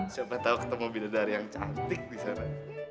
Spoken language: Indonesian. siapa tahu ketemu bidadari yang cantik di sana